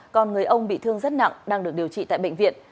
còn người ông bị thương rất nặng đang được điều trị tại bệnh viện